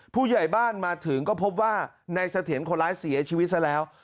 ผู้ใหญ่บ้านมาถึงก็พบว่าในเสถียรคนร้ายเสียชีวิตซะแล้ว